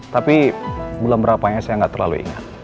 tapi bulan berapanya saya nggak terlalu ingat